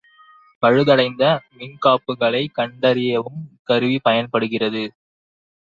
பழுதடைந்த மின்காப்புகளைக் கண்டறியவும் இக்கருவி பயன்படுகிறது.